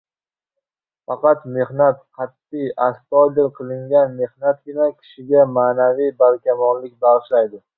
Faqat mehnat, qat’iy, astoydil qilingan mehnatgina kishiga ma’naviy barkamollik bag‘ishlaydi.